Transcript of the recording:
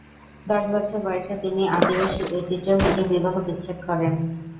দশ বছর বয়সে তিনি আদিবাসী ঐতিহ্য ভেঙে বিবাহ বিচ্ছেদ করেন।